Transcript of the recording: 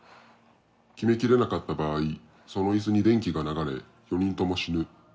決めきれなかった場合その椅子に電気が流れ４人とも死ぬ。